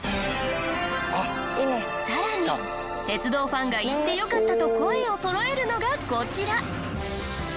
更に鉄道ファンが行ってよかったと声をそろえるのがこちら。